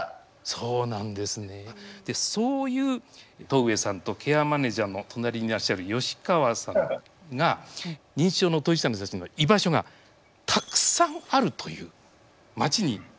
そうなんですねそういう戸上さんとケアマネジャーの隣にいらっしゃる吉川さんが認知症の当事者の人たちの居場所がたくさんあるという町に行ってくださいました。